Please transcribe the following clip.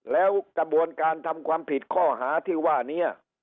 แล้วกระบวนการทำความผิดข้อหาที่ว่านี้